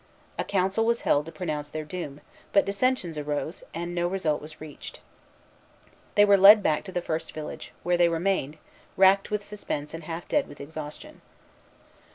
A council was held to pronounce their doom; but dissensions arose, and no result was reached. They were led back to the first village, where they remained, racked with suspense and half dead with exhaustion.